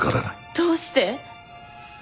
どうして？